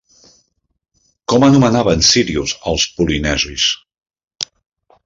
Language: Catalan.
Com anomenaven Sírius els polinesis?